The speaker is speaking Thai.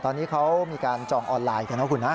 ตอนนี้เขามีการจองออนไลน์กันนะคุณฮะ